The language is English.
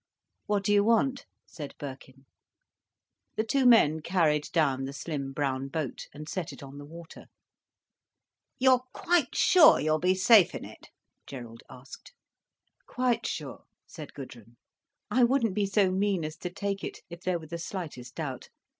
"What do you want?" said Birkin. The two men carried down the slim brown boat, and set it on the water. "You're quite sure you'll be safe in it?" Gerald asked. "Quite sure," said Gudrun. "I wouldn't be so mean as to take it, if there was the slightest doubt.